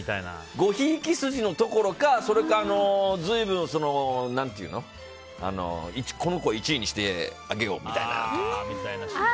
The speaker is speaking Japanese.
ごひいき筋のところかそれか、随分、この子を１位にしてあげようみたいなとか。